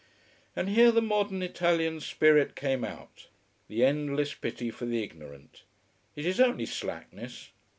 And here the modern Italian spirit came out: the endless pity for the ignorant. It is only slackness.